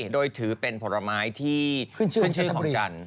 โดยถือเป็นผลไม้ที่ขึ้นชื่อของจันทร์